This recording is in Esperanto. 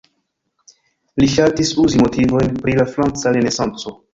Li ŝatis uzi motivojn pri la franca renesanco.